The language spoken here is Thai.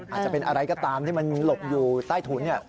อาจจะเป็นอะไรก็ตามที่มันหลบอยู่ใต้ถุน